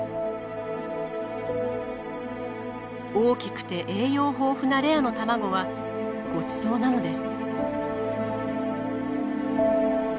大きくて栄養豊富なレアの卵はごちそうなのです。